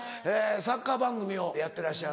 サッカー番組をやってらっしゃる。